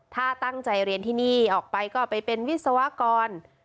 ถ้าตั้งใจเรียนที่นี่ออกไปก็ไปเป็นวิศวกร